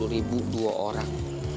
lima puluh ribu dua orang